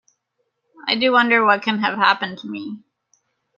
I do wonder what can have happened to me!